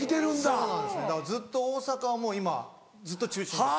そうなんですねだからずっと大阪はもう今ずっと中心です。